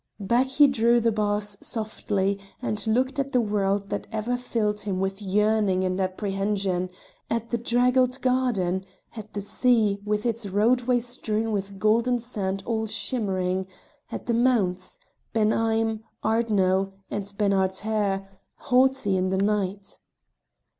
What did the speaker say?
Back he drew the bars softly, and looked at the world that ever filled him with yearning and apprehension, at the draggled garden, at the sea, with its roadway strewn with golden sand all shimmering, at the mounts Ben Ime, Ardno, and Ben Artair, haughty in the night.